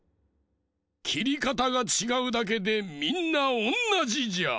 きりかたがちがうだけでみんなおんなじじゃ！